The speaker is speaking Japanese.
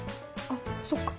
あっそっか。